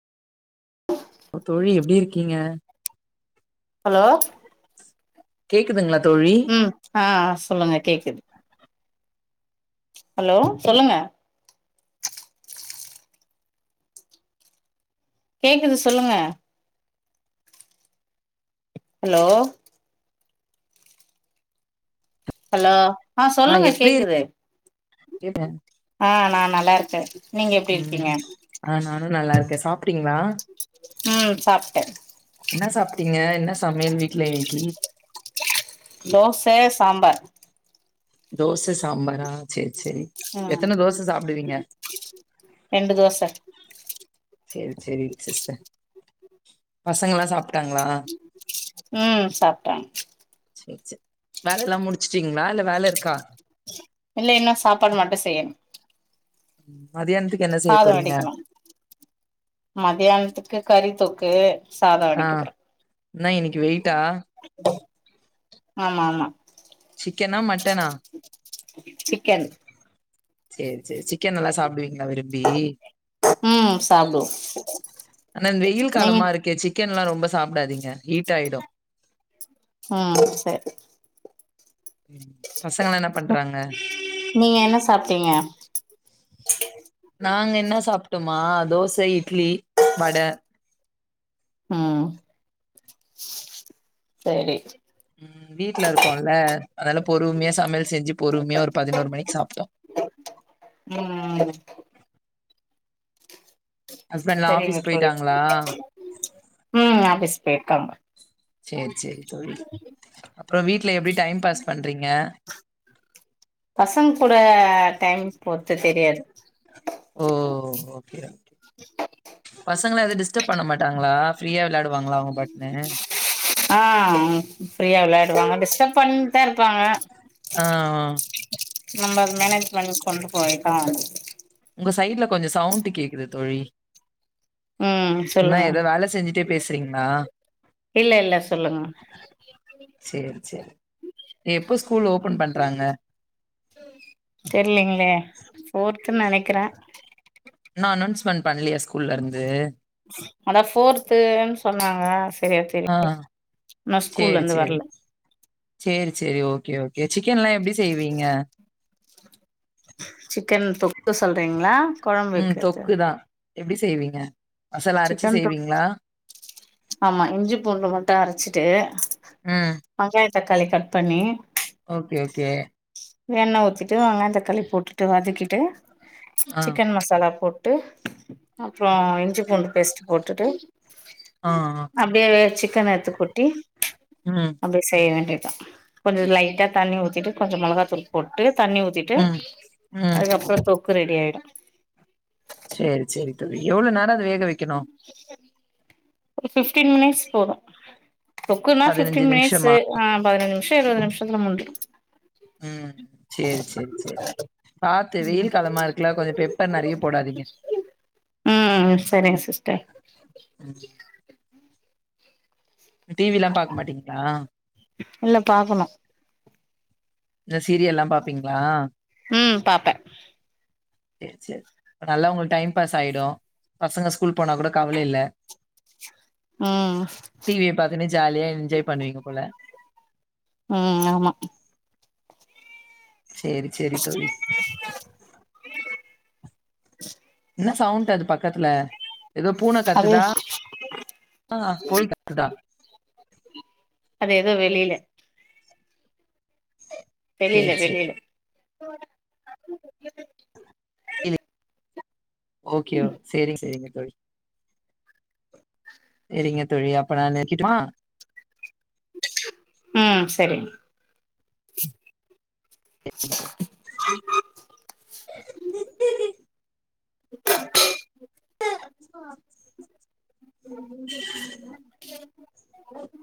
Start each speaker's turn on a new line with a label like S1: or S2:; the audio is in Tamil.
S1: தோழி எப்டி இருக்கீங்க
S2: ஹலோ
S1: கேக்குதுங்ளா
S2: ம் ஆ ஆ சொல்லுங்க கேக்குது ஹலோ சொல்லுங்க கேக்குது சொல்லுங்க ஹலோ ஹலோ ஆ சொல்லுங்க கேக்குது
S1: இருக்
S2: ஆ நான் நல்லாருக்க
S1: ம் ஆ நானு நல்லா இருக்க சாப்ட்டிங்ளா
S2: ம் சாப்ட்டே
S1: என்ன சாப்ட்டிங்க என்ன சமையல் வீட்ல இன்னைக்கு
S2: தோச சாம்பார்
S1: தோச சாம்பாரா செர்
S2: ம் ரண்டு தோச
S1: செரி செரி சிஸ்டர் பசங்க எல்லா சாப்பு
S2: ம் சாப்டாங்க
S1: வேலை எல்லா முடிச்சுட்டிங்ளா இல்ல வேல இருக்கா
S2: இல்ல இன்னு சாப்பாடு
S1: உம்
S2: சாத வடிக்கணு மத்யானத்துக்கு கறி தொக் கு
S1: ஆ என்ன இன்னைக்கு வெய்ட்டா
S2: ஆமா ஆமா
S1: சிக்கனா மட்டனா
S2: சிக்கன்
S1: சேர் சேரி சிக்கன் நல்லா சாப்டுவிங்ளா விரும்பி
S2: ம் சாப்டுவோ
S1: ஆனா இந்த வெயில்
S2: நீங்க
S1: காலமா இருக்கே சி சிக்கன் எல்லா ரொம்ப சாப்டாதீங்க ஹீட் ஆயிடும்
S2: ம் சரி
S1: பசங்கலா என்ன பண்றாங்க
S2: ச
S1: நாங்க என்ன சாப்ட்டோம் மா தோச இட்லி வட
S2: ம் சரி
S1: ம் வீட்ல இருக்கோல்ல அதனால பொறுமையா சமையல் செஞ்சு பொறுமையா ஒரு பதினோரு மணிக்கு சாப்ட்டோம்
S2: ம்
S1: ஹஸ்பண்ட்லா
S2: சரிங்க
S1: ஆஃபீஸ்
S2: தோழி
S1: போயிட்டாங்களா
S2: ம் ஆஃபிஸ் பேர்க்காங்க
S1: சரி சரி தோழி அப்றோ வீட் ல எப்படி டைம் பாஸ் பண்றீங்க
S2: பசங்க கூட டைம் போத்து தெரியாது
S1: பசங்களா எது டிஸ் டப் பண்ண மாட்டாங்களா ஃப்ரீயா விளாடுவாங்களா அவங்க பாட்னு
S2: டுவாங்க டிஸ்டர்ப் பண்டு தா இருப்பாங்க
S1: ஆ ஆ
S2: நம்ம அத மேனேஜ் பண்ணி கொண்டு போய்தா ஆ
S1: உங்க சைட்ல கொஞ்சோ சவுண்ட்டு கேக்குது தோழி
S2: ம்
S1: என்ன
S2: சொல்லுங்க
S1: ஏதோ வேல செஞ்சுட்டே பேசுறீங்களா
S2: இல்ல இல்ல சொல்லுங்க
S1: சரி சரி எப்ப ஸ்கூல் ஓபன் பண்றாங்க
S2: த்துன் நெனைக்கிறே
S1: இன்னு அனோன்ஸ்மெண்ட் பண்லயா ஸ் ஸ்கூல்ல இருந்து
S2: அதா ஃபோர்த்துன்னு சொன்னாங்க சரியா தெரி
S1: ஆ
S2: இன்னு ஸ்கூல்ல
S1: சேரி
S2: இருந்து
S1: சேரி
S2: வரல
S1: சேரி சேரி ஓகே ஓகே சிக்கன்லா எப்படி செய்வீங்க
S2: சிக்கன் தொக்கு சொல்றீங்களா கொழம்பு வைக்கிறது
S1: எப்டி செய்வீங்க மசாலா அரைச்சு
S2: சிக்கன் தொ
S1: செய்வீங்களா?
S2: ஆமா இஞ்சி பூண்டு மட்டு அரச்சிட்டு
S1: ம்.
S2: வெங்காய தக்காளி கட் பண்ணி
S1: ஓகே ஓகே
S2: எண்ண ஊத்திட்டு வெங்காய தக்காளி போட்டுட்டு வதக்கிட்டு
S1: ஆ.
S2: சிக்கன் மசாலா போட் டு அப்றோ
S1: ம்.
S2: இஞ்சிப் பூண்டு பேஸ்ட் போட்டுட்டு
S1: ஆ, ஆ.
S2: அப்படியே வேகவச்சு சிக்கன் எடுத்து கொட்டி
S1: ம்.
S2: அப்படி செய்ய வேண்டியது கொஞ்சம் லைட்டா தண்ணி ஊத்திட்டு கொஞ்சம் மிளகாத்தூள் போட்டு தண்ணி ஊத்திட்டு
S1: ம். ம்.
S2: அதுக்கப்புறம் இப்ப ரெடி ஆயிடும்
S1: சேரி சேரி தோழி எவ்வளவு நேரம் வேக வைக்கணும்
S2: ஒரு பிப்டீன் மினிட்ஸ் போதும் தொக்குன்னா பிப்டின் மினிட்ஸ்
S1: நிமிஷமா?
S2: ஆ பதினஞ்சு நிமிஷம் இருபது நிமிஷத்தில முடிஞ்சுரும்
S1: ம் சரி சரி சரி பாத்து வெயில் காலமா இருக்குல கொஞ்சம் பெப்பர் நறைய போடாதீங்க
S2: ம் சரிங்க சிஸ்டர்
S1: [unintelligible] டிவில்லாம் பாக்க மாட்டீங்களா
S2: இல்ல பாக்கணு
S1: இந்த சீரியல்லாம் பாப்பீங்களா
S2: ம் பாப்பே
S1: சரி நல்லா உங்களுக்கு டைம் பாஸ் ஆயிடும் பசங்க ஸ்கூல் போனா கூட கவலை இல்ல
S2: ம்
S1: டிவியை பார்த்துட்டே ஜாலியா என்ஜாய் பண்ணுவீங்க போல
S2: ம் ஆமா
S1: சேரி சேரி தோழி
S2: [inaudible]
S1: என்ன சவுண்ட் அது பக்கத்துல ஏதோ பூனை
S2: அது
S1: கத்துதா ஆ கோழி கத்துதா
S2: அது ஏதோ வெளில
S1: சரி,
S2: தெரியில
S1: சரி.
S2: தெரியல [inaudible]
S1: ஓகேஓ சரிங்க சரிங்க சரிங்க தோழி அப்ப நான் வைக்கட்டுமா
S2: ம் சரிங்க
S1: [inaudible] [inaudible]